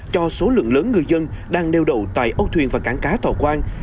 cho số lượng lớn người dân đang nêu đậu tại âu thuyền và cảng cá thọ quang